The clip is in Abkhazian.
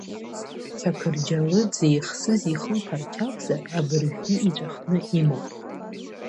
Чақырџьалы дзеихсыз ихылԥарч акәзар, абыржәгьы иҵәахны имоуп.